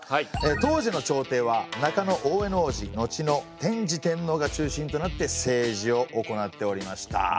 当時の朝廷は中大兄皇子後の天智天皇が中心となって政治を行っておりました。